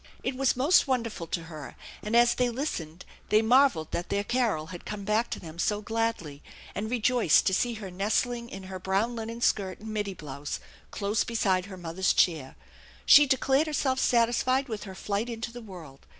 It was most wonderful to her, and as they listened they marvelled that their Carol had come back to them so gladly, and rejoiced to see her nestling in her brown linen skirt and middy blouse close beside her mother's chair. She declared herself satisfied with her flight into the world.